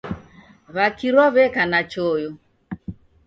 W'akirwa w'eka na choyo .